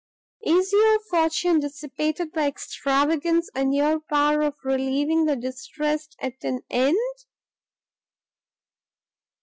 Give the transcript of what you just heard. "Is your fortune dissipated by extravagance, and your power of relieving the distressed at an end?"